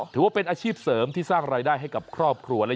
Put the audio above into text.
ถือว่าเป็นอาชีพเสริมที่สร้างรายได้ให้กับครอบครัว